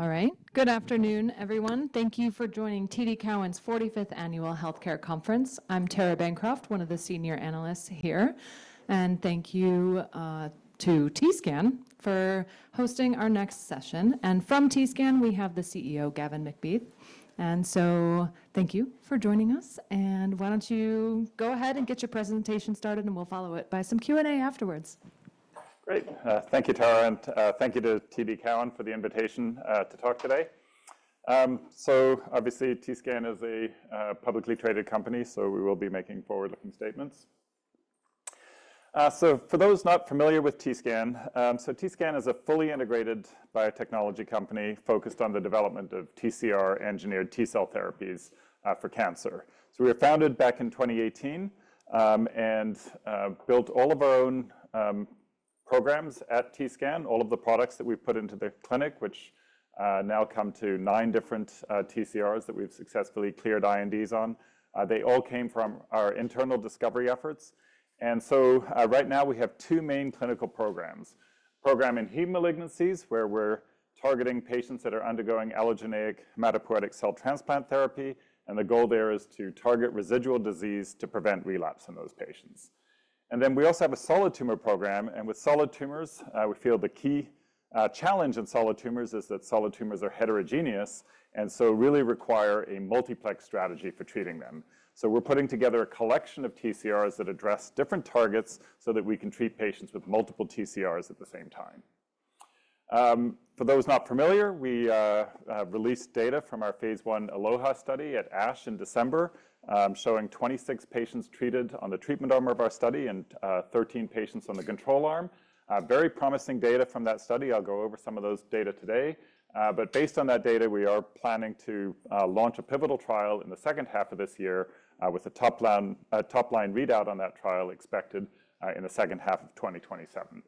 All right. Good afternoon, everyone. Thank you for joining TD Cowen's 45th Annual Healthcare Conference. I'm Tara Bancroft, one of the senior analysts here. Thank you to TScan for hosting our next session. From TScan, we have the CEO, Gavin MacBeath. Thank you for joining us. Why don't you go ahead and get your presentation started, and we'll follow it by some Q&A afterwards. Great. Thank you, Tara. Thank you to TD Cowen for the invitation to talk today. Obviously, TScan is a publicly traded company, so we will be making forward-looking statements. For those not familiar with TScan, TScan is a fully integrated biotechnology company focused on the development of TCR-engineered T-cell therapies for cancer. We were founded back in 2018 and built all of our own programs at TScan, all of the products that we've put into the clinic, which now come to nine different TCRs that we've successfully cleared INDs on. They all came from our internal discovery efforts. Right now, we have two main clinical programs: a program in heme malignancies, where we're targeting patients that are undergoing allogeneic hematopoietic cell transplant therapy. The goal there is to target residual disease to prevent relapse in those patients. We also have a solid tumor program. With solid tumors, we feel the key challenge in solid tumors is that solid tumors are heterogeneous and so really require a multiplex strategy for treating them. We are putting together a collection of TCRs that address different targets so that we can treat patients with multiple TCRs at the same time. For those not familiar, we released data from our phase I ALLOHA study at ASH in December, showing 26 patients treated on the treatment arm of our study and 13 patients on the control arm. Very promising data from that study. I'll go over some of those data today. Based on that data, we are planning to launch a pivotal trial in the second half of this year with a top-line readout on that trial expected in the second half of 2027.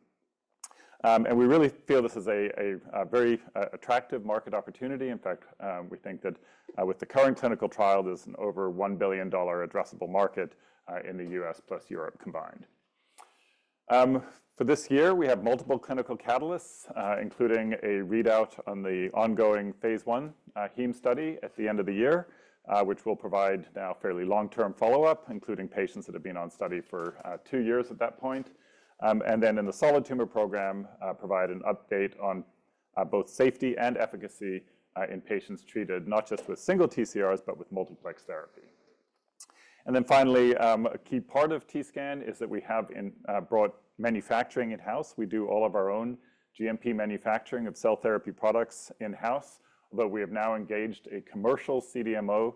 We really feel this is a very attractive market opportunity. In fact, we think that with the current clinical trial, there is an over $1 billion addressable market in the US plus Europe combined. For this year, we have multiple clinical catalysts, including a readout on the ongoing phase I heme study at the end of the year, which will provide now fairly long-term follow-up, including patients that have been on study for two years at that point. In the solid tumor program, we will provide an update on both safety and efficacy in patients treated not just with single TCRs, but with multiplex therapy. Finally, a key part of TScan is that we have brought manufacturing in-house. We do all of our own GMP manufacturing of cell therapy products in-house. We have now engaged a commercial CDMO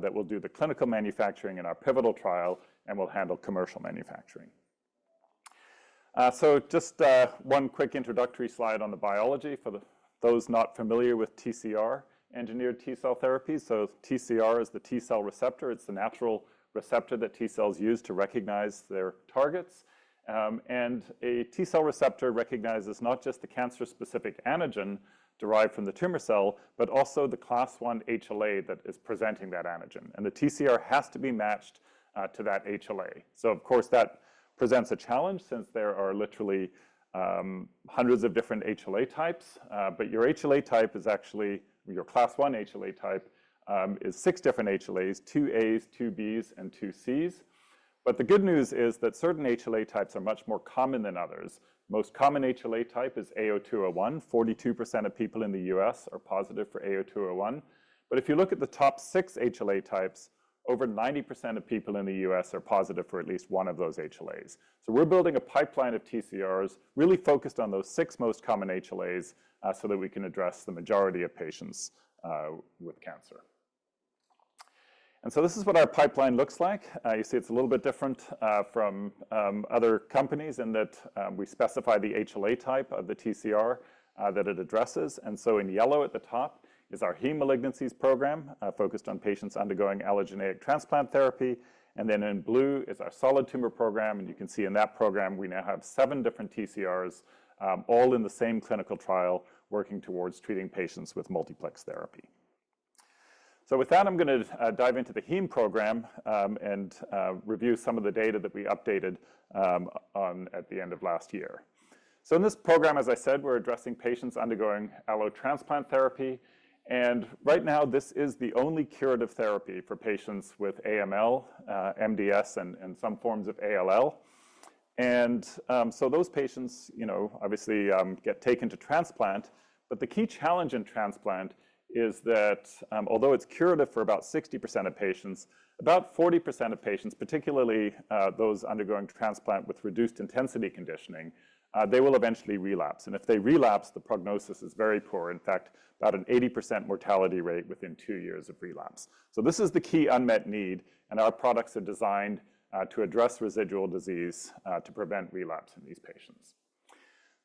that will do the clinical manufacturing in our pivotal trial and will handle commercial manufacturing. Just one quick introductory slide on the biology for those not familiar with TCR-engineered T-cell therapies. TCR is the T-cell receptor. It is the natural receptor that T-cells use to recognize their targets. A T-cell receptor recognizes not just the cancer-specific antigen derived from the tumor cell, but also the class I HLA that is presenting that antigen. The TCR has to be matched to that HLA. Of course, that presents a challenge since there are literally hundreds of different HLA types. Your HLA type is actually your class I HLA type, which is six different HLAs, two As, two Bs, and two Cs. The good news is that certain HLA types are much more common than others. The most common HLA type is A0201. 42% of people in the US are positive for A0201. If you look at the top six HLA types, over 90% of people in the US are positive for at least one of those HLAs. We are building a pipeline of TCRs really focused on those six most common HLAs so that we can address the majority of patients with cancer. This is what our pipeline looks like. You see it is a little bit different from other companies in that we specify the HLA type of the TCR that it addresses. In yellow at the top is our heme malignancies program focused on patients undergoing allogeneic transplant therapy. In blue is our solid tumor program. You can see in that program, we now have seven different TCRs all in the same clinical trial working towards treating patients with multiplex therapy. With that, I'm going to dive into the heme program and review some of the data that we updated at the end of last year. In this program, as I said, we're addressing patients undergoing allotransplant therapy. Right now, this is the only curative therapy for patients with AML, MDS, and some forms of ALL. Those patients, obviously, get taken to transplant. The key challenge in transplant is that although it's curative for about 60% of patients, about 40% of patients, particularly those undergoing transplant with reduced intensity conditioning, will eventually relapse. If they relapse, the prognosis is very poor. In fact, about an 80% mortality rate within two years of relapse. This is the key unmet need. Our products are designed to address residual disease to prevent relapse in these patients.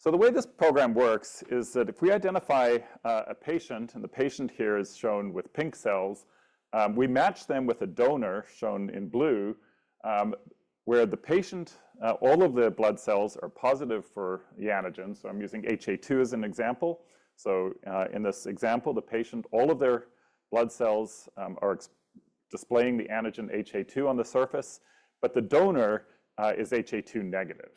The way this program works is that if we identify a patient, and the patient here is shown with pink cells, we match them with a donor shown in blue, where the patient, all of their blood cells are positive for the antigen. I'm using HA-2 as an example. In this example, the patient, all of their blood cells are displaying the antigen HA-2 on the surface, but the donor is HA-2 negative.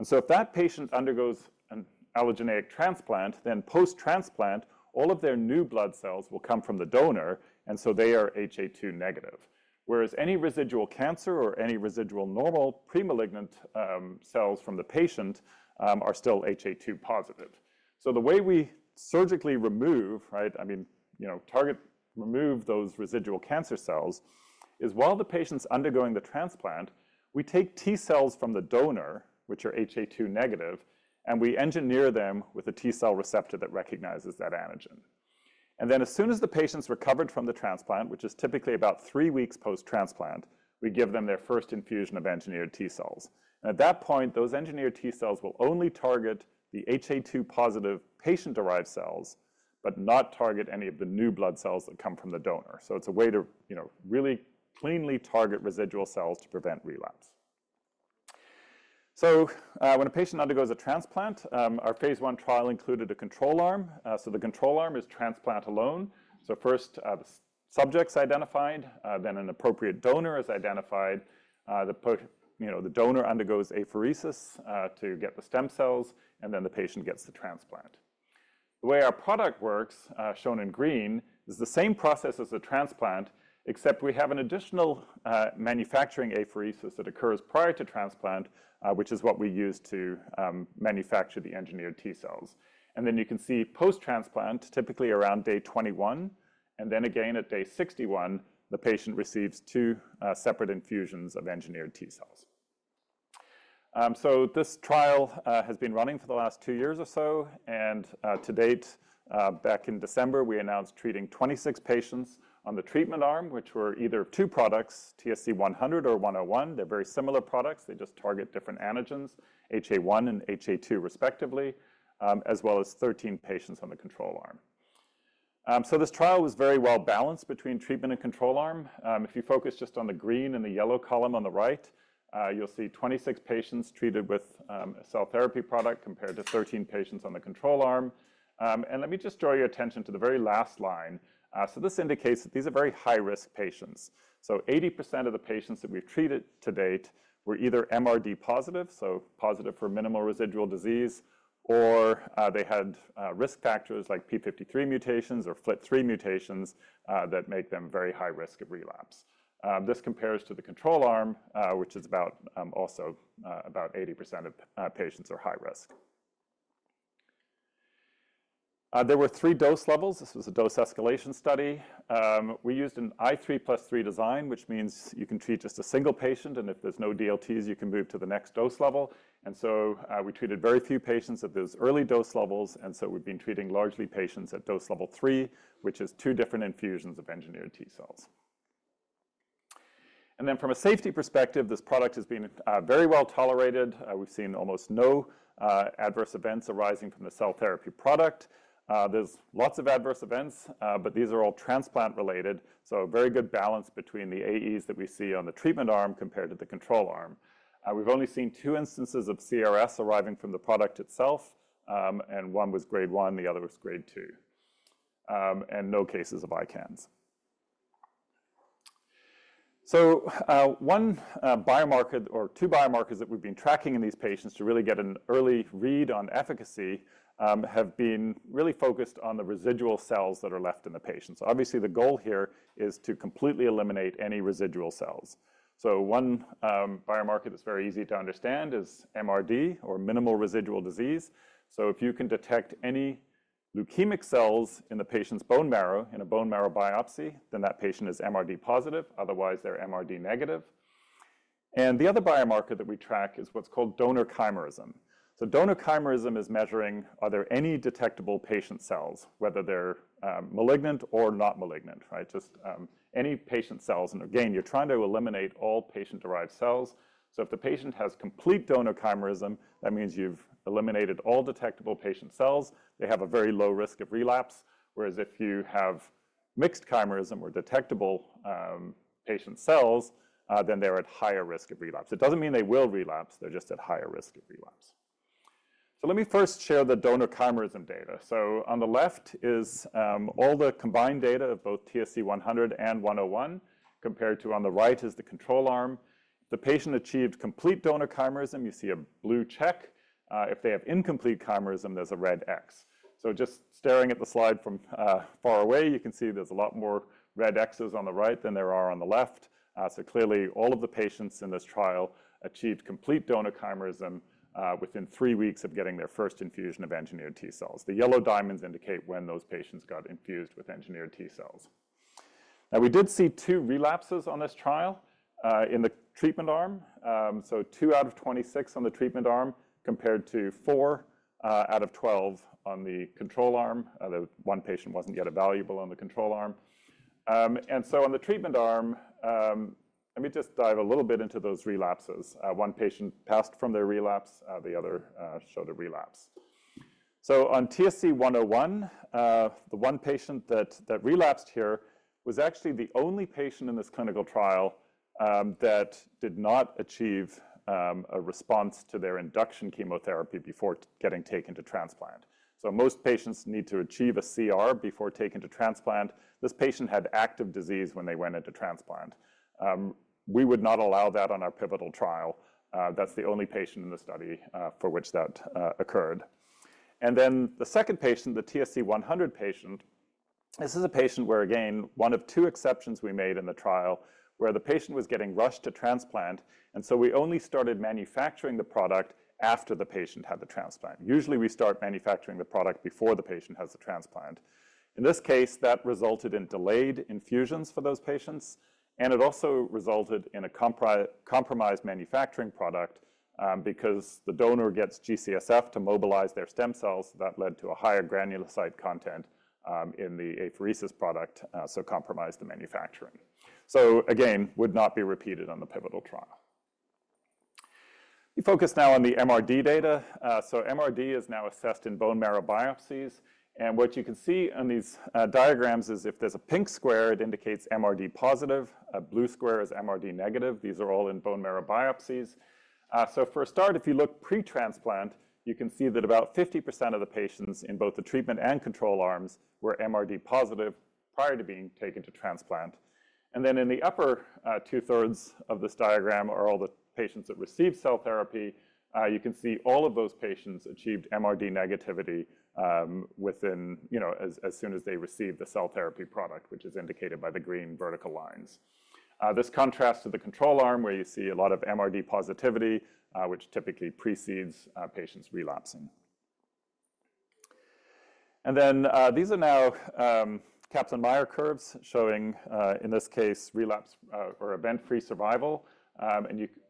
If that patient undergoes an allogeneic transplant, then post-transplant, all of their new blood cells will come from the donor, and so they are HA-2 negative. Whereas any residual cancer or any residual normal premalignant cells from the patient are still HA-2 positive. The way we surgically remove, I mean, target, remove those residual cancer cells is while the patient's undergoing the transplant, we take T cells from the donor, which are HA-2 negative, and we engineer them with a T-cell receptor that recognizes that antigen. As soon as the patient's recovered from the transplant, which is typically about three weeks post-transplant, we give them their first infusion of engineered T cells. At that point, those engineered T cells will only target the HA-2 positive patient-derived cells, but not target any of the new blood cells that come from the donor. It is a way to really cleanly target residual cells to prevent relapse. When a patient undergoes a transplant, our phase I trial included a control arm. The control arm is transplant alone. First, the subject's identified, then an appropriate donor is identified. The donor undergoes apheresis to get the stem cells, and then the patient gets the transplant. The way our product works, shown in green, is the same process as a transplant, except we have an additional manufacturing apheresis that occurs prior to transplant, which is what we use to manufacture the engineered T cells. You can see post-transplant, typically around day 21, and then again at day 61, the patient receives two separate infusions of engineered T cells. This trial has been running for the last two years or so. To date, back in December, we announced treating 26 patients on the treatment arm, which were either two products, TSC-100 or TSC-101. They are very similar products. They just target different antigens, HA-1 and HA-2 respectively, as well as 13 patients on the control arm. This trial was very well balanced between treatment and control arm. If you focus just on the green and the yellow column on the right, you'll see 26 patients treated with a cell therapy product compared to 13 patients on the control arm. Let me just draw your attention to the very last line. This indicates that these are very high-risk patients. 80% of the patients that we've treated to date were either MRD positive, so positive for minimal residual disease, or they had risk factors like p53 mutations or FLT3 mutations that make them very high risk of relapse. This compares to the control arm, which is also about 80% of patients are high risk. There were three dose levels. This was a dose escalation study. We used an I3 plus 3 design, which means you can treat just a single patient. If there's no DLTs, you can move to the next dose level. We treated very few patients at those early dose levels. We've been treating largely patients at dose level 3, which is two different infusions of engineered T cells. From a safety perspective, this product has been very well tolerated. We've seen almost no adverse events arising from the cell therapy product. There's lots of adverse events, but these are all transplant-related. A very good balance between the AEs that we see on the treatment arm compared to the control arm. We've only seen two instances of CRS arising from the product itself, and one was grade 1, the other was grade 2, and no cases of ICANS. One biomarker or two biomarkers that we've been tracking in these patients to really get an early read on efficacy have been really focused on the residual cells that are left in the patient. Obviously, the goal here is to completely eliminate any residual cells. One biomarker that's very easy to understand is MRD or minimal residual disease. If you can detect any leukemic cells in the patient's bone marrow in a bone marrow biopsy, then that patient is MRD positive. Otherwise, they're MRD negative. The other biomarker that we track is what's called donor chimerism. Donor chimerism is measuring are there any detectable patient cells, whether they're malignant or not malignant, just any patient cells. Again, you're trying to eliminate all patient-derived cells. If the patient has complete donor chimerism, that means you've eliminated all detectable patient cells. They have a very low risk of relapse. Whereas if you have mixed chimerism or detectable patient cells, then they're at higher risk of relapse. It doesn't mean they will relapse. They're just at higher risk of relapse. Let me first share the donor chimerism data. On the left is all the combined data of both TSC-100 and TSC-101 compared to on the right is the control arm. The patient achieved complete donor chimerism. You see a blue check. If they have incomplete chimerism, there's a red X. Just staring at the slide from far away, you can see there's a lot more red Xs on the right than there are on the left. Clearly, all of the patients in this trial achieved complete donor chimerism within three weeks of getting their first infusion of engineered T cells. The yellow diamonds indicate when those patients got infused with engineered T cells. We did see two relapses on this trial in the treatment arm. Two out of 26 on the treatment arm compared to four out of 12 on the control arm. One patient was not yet evaluable on the control arm. On the treatment arm, let me just dive a little bit into those relapses. One patient passed from their relapse. The other showed a relapse. On TSC-101, the one patient that relapsed here was actually the only patient in this clinical trial that did not achieve a response to their induction chemotherapy before getting taken to transplant. Most patients need to achieve a CR before taken to transplant. This patient had active disease when they went into transplant. We would not allow that on our pivotal trial. That's the only patient in the study for which that occurred. The second patient, the TSC-100 patient, this is a patient where, again, one of two exceptions we made in the trial where the patient was getting rushed to transplant. We only started manufacturing the product after the patient had the transplant. Usually, we start manufacturing the product before the patient has the transplant. In this case, that resulted in delayed infusions for those patients. It also resulted in a compromised manufacturing product because the donor gets G-CSF to mobilize their stem cells. That led to a higher granulocyte content in the apheresis product, so compromised the manufacturing. This would not be repeated on the pivotal trial. We focus now on the MRD data. MRD is now assessed in bone marrow biopsies. What you can see on these diagrams is if there's a pink square, it indicates MRD positive. A blue square is MRD negative. These are all in bone marrow biopsies. For a start, if you look pre-transplant, you can see that about 50% of the patients in both the treatment and control arms were MRD positive prior to being taken to transplant. In the upper two-thirds of this diagram are all the patients that received cell therapy. You can see all of those patients achieved MRD negativity as soon as they received the cell therapy product, which is indicated by the green vertical lines. This contrasts to the control arm where you see a lot of MRD positivity, which typically precedes patients relapsing. These are now Kaplan-Meier curves showing, in this case, relapse or event-free survival.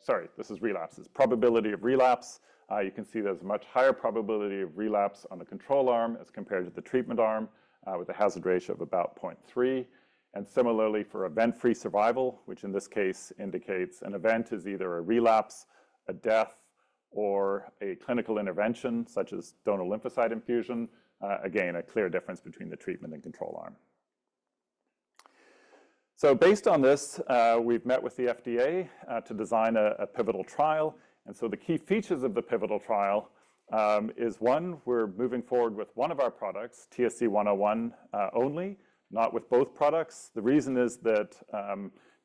Sorry, this is relapse. It's probability of relapse. You can see there's a much higher probability of relapse on the control arm as compared to the treatment arm with a hazard ratio of about 0.3. Similarly, for event-free survival, which in this case indicates an event is either a relapse, a death, or a clinical intervention such as donor lymphocyte infusion, again, a clear difference between the treatment and control arm. Based on this, we've met with the FDA to design a pivotal trial. The key features of the pivotal trial is, one, we're moving forward with one of our products, TSC-101 only, not with both products. The reason is that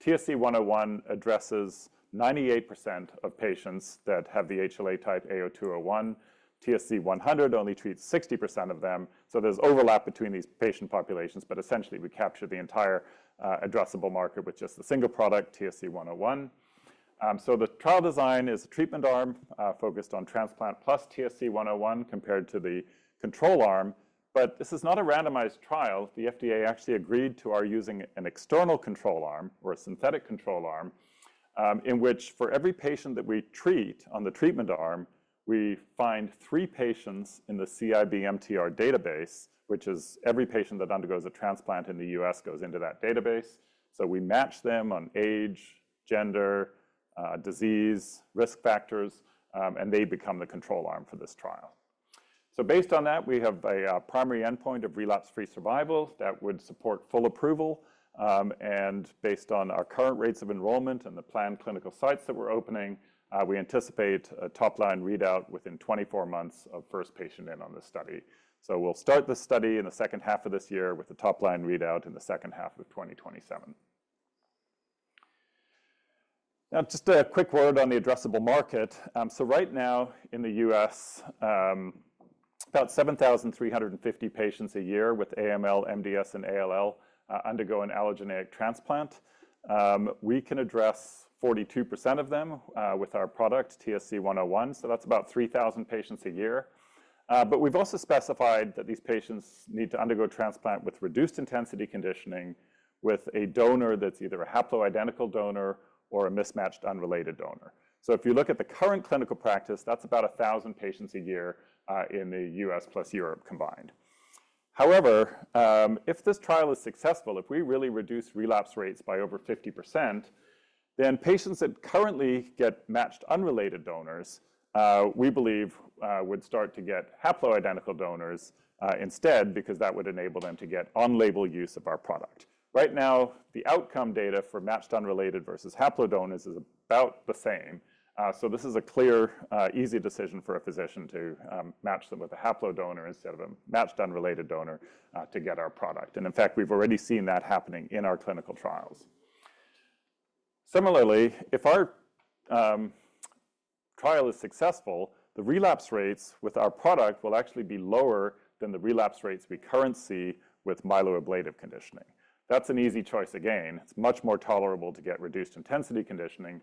TSC-101 addresses 98% of patients that have the HLA type A0201. TSC-100 only treats 60% of them. There's overlap between these patient populations. Essentially, we capture the entire addressable market with just a single product, TSC-101. The trial design is a treatment arm focused on transplant plus TSC-101 compared to the control arm. This is not a randomized trial. The FDA actually agreed to our using an external control arm or a synthetic control arm in which for every patient that we treat on the treatment arm, we find three patients in the CIBMTR database, which is every patient that undergoes a transplant in the US goes into that database. We match them on age, gender, disease, risk factors, and they become the control arm for this trial. Based on that, we have a primary endpoint of relapse-free survival that would support full approval. Based on our current rates of enrollment and the planned clinical sites that we're opening, we anticipate a top-line readout within 24 months of first patient in on this study. We will start this study in the second half of this year with a top-line readout in the second half of 2027. Now, just a quick word on the addressable market. Right now in the US, about 7,350 patients a year with AML, MDS, and ALL undergo an allogeneic transplant. We can address 42% of them with our product, TSC-101. That is about 3,000 patients a year. We have also specified that these patients need to undergo transplant with reduced intensity conditioning with a donor that is either a haploidentical donor or a mismatched unrelated donor. If you look at the current clinical practice, that is about 1,000 patients a year in the US plus Europe combined. However, if this trial is successful, if we really reduce relapse rates by over 50%, then patients that currently get matched unrelated donors, we believe, would start to get haploidentical donors instead because that would enable them to get on-label use of our product. Right now, the outcome data for matched unrelated versus haplo donors is about the same. This is a clear, easy decision for a physician to match them with a haplo donor instead of a matched unrelated donor to get our product. In fact, we've already seen that happening in our clinical trials. Similarly, if our trial is successful, the relapse rates with our product will actually be lower than the relapse rates we currently see with myeloablative conditioning. That's an easy choice again. It's much more tolerable to get reduced intensity conditioning.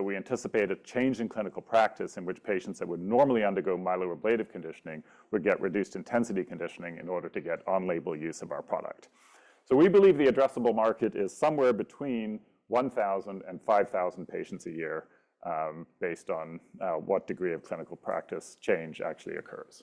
We anticipate a change in clinical practice in which patients that would normally undergo myeloablative conditioning would get reduced intensity conditioning in order to get on-label use of our product. We believe the addressable market is somewhere between 1,000 and 5,000 patients a year based on what degree of clinical practice change actually occurs.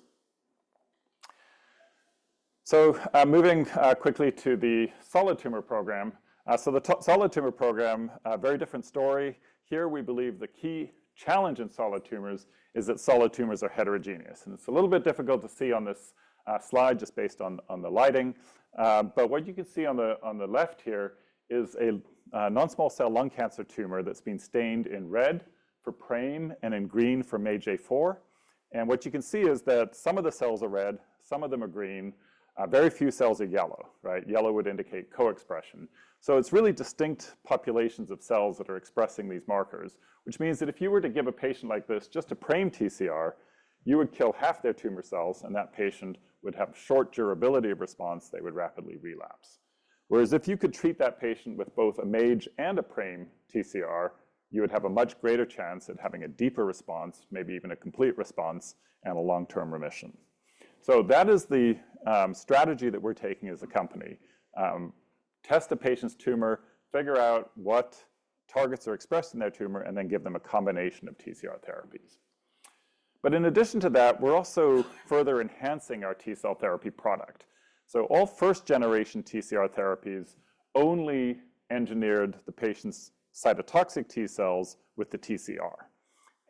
Moving quickly to the solid tumor program. The solid tumor program, very different story. Here, we believe the key challenge in solid tumors is that solid tumors are heterogeneous. It is a little bit difficult to see on this slide just based on the lighting. What you can see on the left here is a non-small cell lung cancer tumor that has been stained in red for PRAME and in green for MAGE-A4. What you can see is that some of the cells are red, some of them are green, very few cells are yellow. Yellow would indicate co-expression. It is really distinct populations of cells that are expressing these markers, which means that if you were to give a patient like this just a PRAME TCR, you would kill half their tumor cells, and that patient would have short durability of response. They would rapidly relapse. If you could treat that patient with both a MAGE and a PRAME TCR, you would have a much greater chance at having a deeper response, maybe even a complete response and a long-term remission. That is the strategy that we are taking as a company. Test a patient's tumor, figure out what targets are expressed in their tumor, and then give them a combination of TCR therapies. In addition to that, we're also further enhancing our T cell therapy product. All first-generation TCR therapies only engineered the patient's cytotoxic T cells with the TCR.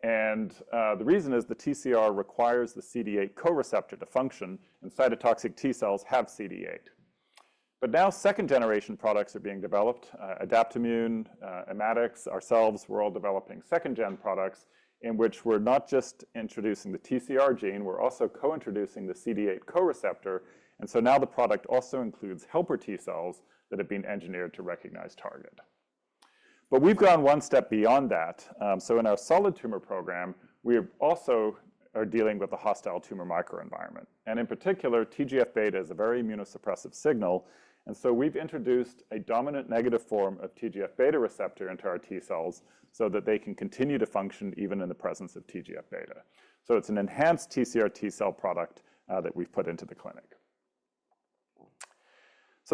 The reason is the TCR requires the CD8 co-receptor to function, and cytotoxic T cells have CD8. Now second-generation products are being developed, Adaptimmune, Immatics, ourselves, we're all developing second-gen products in which we're not just introducing the TCR gene, we're also co-introducing the CD8 co-receptor. Now the product also includes helper T cells that have been engineered to recognize target. We've gone one step beyond that. In our solid tumor program, we also are dealing with the hostile tumor microenvironment. In particular, TGF-beta is a very immunosuppressive signal. We have introduced a dominant negative form of TGF-beta receptor into our T cells so that they can continue to function even in the presence of TGF-beta. It is an enhanced TCR-T cell product that we have put into the clinic.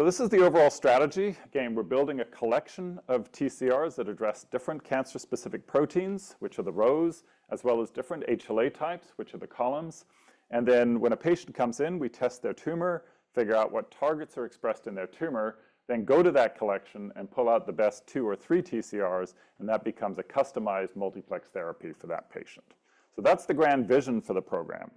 This is the overall strategy. We are building a collection of TCRs that address different cancer-specific proteins, which are the rows, as well as different HLA types, which are the columns. When a patient comes in, we test their tumor, figure out what targets are expressed in their tumor, then go to that collection and pull out the best two or three TCRs, and that becomes a customized multiplex therapy for that patient. That is the grand vision for the program.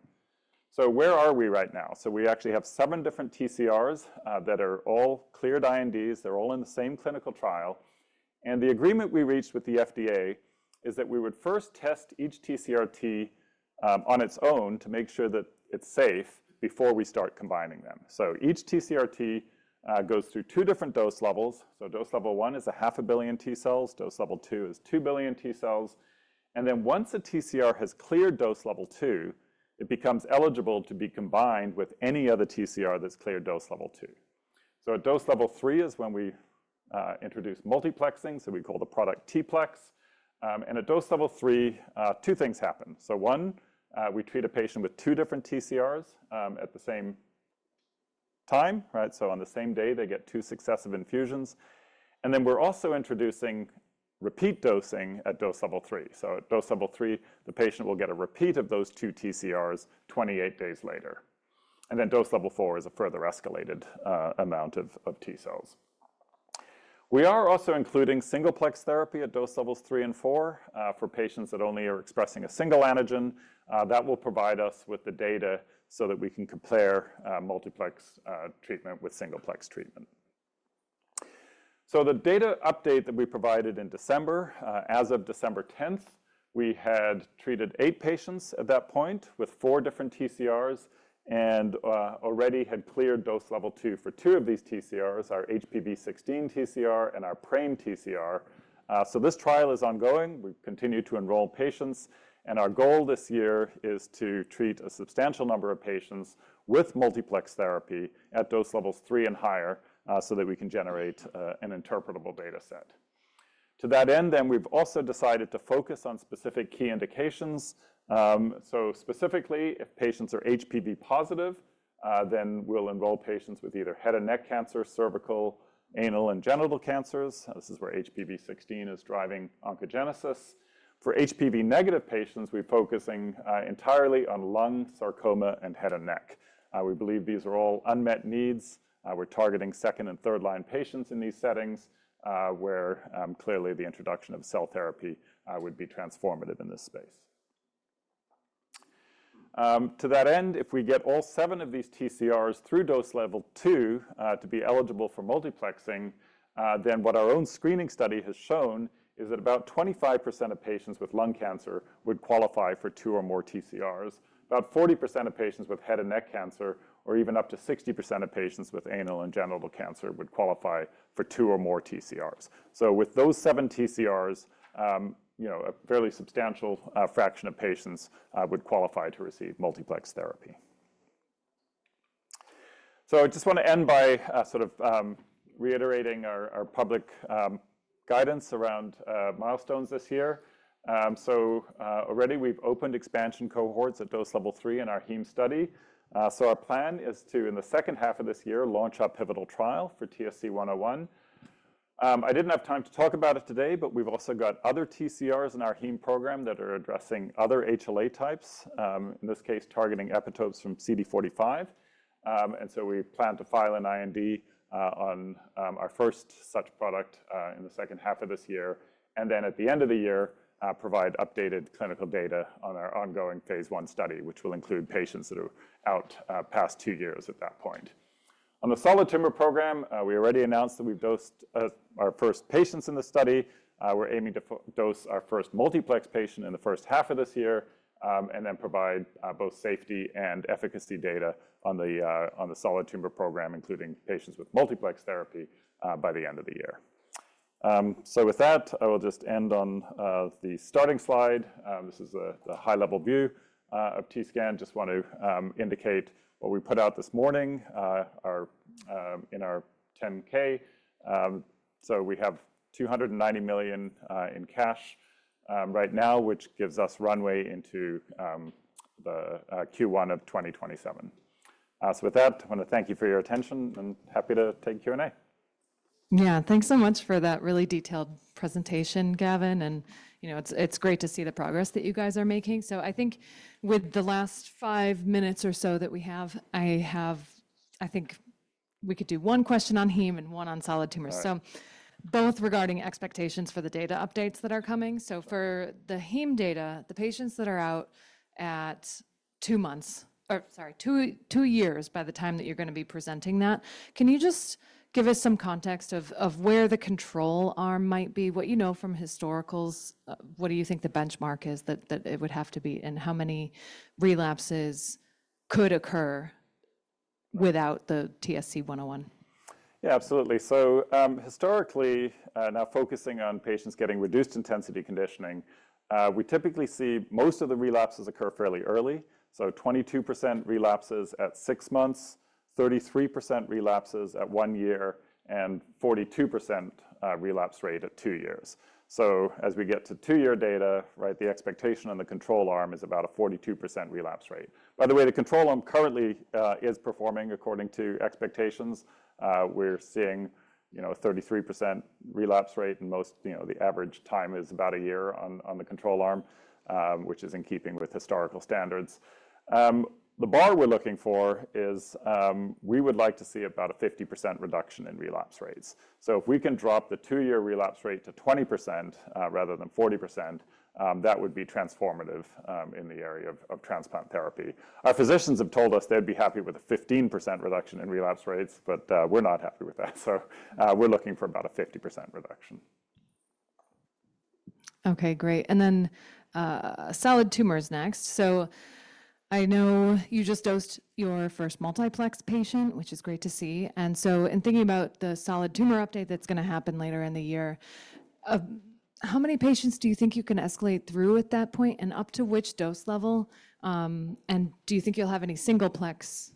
Where are we right now? We actually have seven different TCRs that are all cleared INDs. They're all in the same clinical trial. The agreement we reached with the FDA is that we would first test each TCR T on its own to make sure that it's safe before we start combining them. Each TCR T goes through two different dose levels. Dose level one is 500 million T cells. Dose level two is 2 billion T cells. Once a TCR has cleared dose level two, it becomes eligible to be combined with any other TCR that's cleared dose level two. At dose level three is when we introduce multiplexing. We call the product T-Plex. At dose level three, two things happen. One, we treat a patient with two different TCRs at the same time. On the same day, they get two successive infusions. We are also introducing repeat dosing at dose level three. At dose level three, the patient will get a repeat of those two TCRs 28 days later. Dose level four is a further escalated amount of T cells. We are also including single-plex therapy at dose levels three and four for patients that only are expressing a single antigen. That will provide us with the data so that we can compare multiplex treatment with single-plex treatment. The data update that we provided in December, as of December 10th, showed we had treated eight patients at that point with four different TCRs and already had cleared dose level two for two of these TCRs, our HPV16 TCR and our PRAME TCR. This trial is ongoing. We continue to enroll patients. Our goal this year is to treat a substantial number of patients with multiplex therapy at dose levels three and higher so that we can generate an interpretable data set. To that end, we have also decided to focus on specific key indications. Specifically, if patients are HPV positive, we will enroll patients with either head and neck cancer, cervical, anal, and genital cancers. This is where HPV16 is driving oncogenesis. For HPV negative patients, we are focusing entirely on lung, sarcoma, and head and neck. We believe these are all unmet needs. We are targeting second and third-line patients in these settings where clearly the introduction of cell therapy would be transformative in this space. To that end, if we get all seven of these TCRs through dose level two to be eligible for multiplexing, then what our own screening study has shown is that about 25% of patients with lung cancer would qualify for two or more TCRs. About 40% of patients with head and neck cancer or even up to 60% of patients with anal and genital cancer would qualify for two or more TCRs. With those seven TCRs, a fairly substantial fraction of patients would qualify to receive multiplex therapy. I just want to end by sort of reiterating our public guidance around milestones this year. Already, we've opened expansion cohorts at dose level three in our heme study. Our plan is to, in the second half of this year, launch our pivotal trial for TSC-101. I didn't have time to talk about it today, but we've also got other TCRs in our heme program that are addressing other HLA types, in this case, targeting epitopes from CD45. We plan to file an IND on our first such product in the second half of this year. At the end of the year, we will provide updated clinical data on our ongoing phase I study, which will include patients that are out past two years at that point. On the solid tumor program, we already announced that we've dosed our first patients in the study. We're aiming to dose our first multiplex patient in the first half of this year and then provide both safety and efficacy data on the solid tumor program, including patients with multiplex therapy by the end of the year. I will just end on the starting slide. This is the high-level view of TScan. Just want to indicate what we put out this morning in our 10-K. We have $290 million in cash right now, which gives us runway into the Q1 of 2027. With that, I want to thank you for your attention and happy to take Q&A. Yeah, thanks so much for that really detailed presentation, Gavin. It is great to see the progress that you guys are making. I think with the last five minutes or so that we have, I think we could do one question on heme and one on solid tumors. Both regarding expectations for the data updates that are coming. For the heme data, the patients that are out at two months or sorry, two years by the time that you are going to be presenting that, can you just give us some context of where the control arm might be, what you know from historicals, what do you think the benchmark is that it would have to be, and how many relapses could occur without the TSC-101? Yeah, absolutely. Historically, now focusing on patients getting reduced intensity conditioning, we typically see most of the relapses occur fairly early. 22% relapses at six months, 33% relapses at one year, and 42% relapse rate at two years. As we get to two-year data, the expectation on the control arm is about a 42% relapse rate. By the way, the control arm currently is performing according to expectations. We're seeing a 33% relapse rate, and most, the average time is about a year on the control arm, which is in keeping with historical standards. The bar we're looking for is we would like to see about a 50% reduction in relapse rates. If we can drop the two-year relapse rate to 20% rather than 40%, that would be transformative in the area of transplant therapy. Our physicians have told us they'd be happy with a 15% reduction in relapse rates, but we're not happy with that. We are looking for about a 50% reduction. Okay, great. Next, solid tumors. I know you just dosed your first multiplex patient, which is great to see. In thinking about the solid tumor update that's going to happen later in the year, how many patients do you think you can escalate through at that point and up to which dose level? Do you think you'll have any single-plex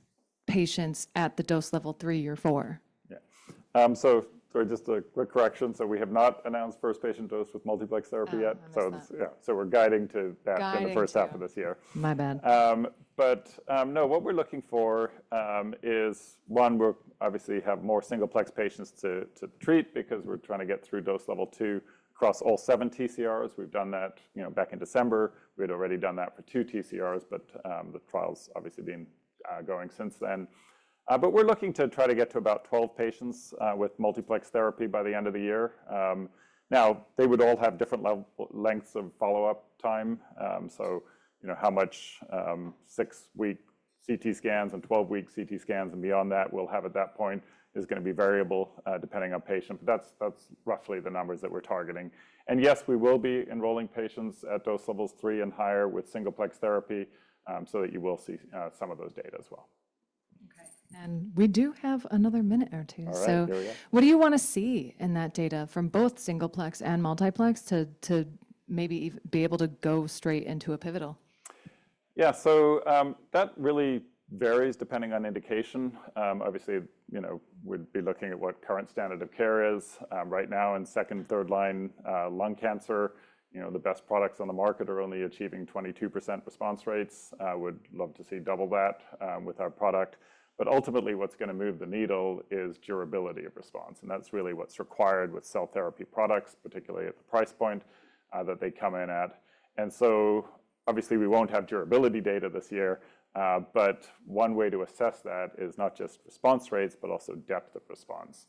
patients at the dose level three or four? Yeah. Just a quick correction. We have not announced first patient dose with multiplex therapy yet. We are guiding to that in the first half of this year. My bad. No, what we're looking for is, one, we'll obviously have more single-plex patients to treat because we're trying to get through dose level two across all seven TCRs. We had already done that for two TCRs back in December, but the trial's obviously been going since then. We're looking to try to get to about 12 patients with multiplex therapy by the end of the year. They would all have different lengths of follow-up time. How much six-week CT scans and 12-week CT scans and beyond that we'll have at that point is going to be variable depending on patient. That's roughly the numbers that we're targeting. Yes, we will be enrolling patients at dose levels three and higher with single-plex therapy so that you will see some of those data as well. Okay. We do have another minute or two. What do you want to see in that data from both single-plex and multiplex to maybe be able to go straight into a pivotal? Yeah. That really varies depending on indication. Obviously, we'd be looking at what current standard of care is. Right now, in second and third-line lung cancer, the best products on the market are only achieving 22% response rates. We'd love to see double that with our product. Ultimately, what's going to move the needle is durability of response. That's really what's required with cell therapy products, particularly at the price point that they come in at. Obviously, we won't have durability data this year. One way to assess that is not just response rates, but also depth of response.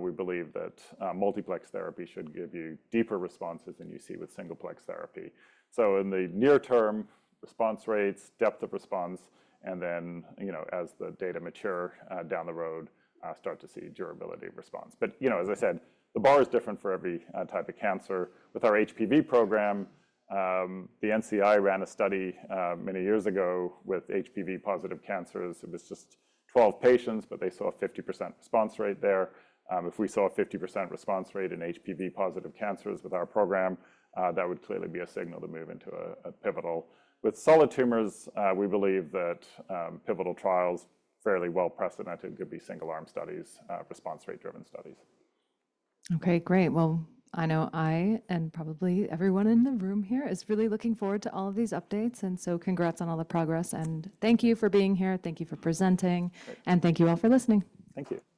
We believe that multiplex therapy should give you deeper responses than you see with single-plex therapy. In the near term, response rates, depth of response, and then as the data mature down the road, start to see durability of response. As I said, the bar is different for every type of cancer. With our HPV program, the NCI ran a study many years ago with HPV positive cancers. It was just 12 patients, but they saw a 50% response rate there. If we saw a 50% response rate in HPV positive cancers with our program, that would clearly be a signal to move into a pivotal. With solid tumors, we believe that pivotal trials, fairly well-presented, could be single-arm studies, response rate-driven studies. Okay, great. I know I and probably everyone in the room here is really looking forward to all of these updates. Congrats on all the progress. Thank you for being here. Thank you for presenting. Thank you all for listening. Thank you.